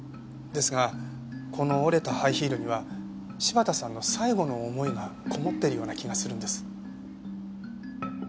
ですがこの折れたハイヒールには柴田さんの最期の思いが込もっているような気がするんです。